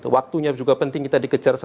waktunya juga penting kita dikejar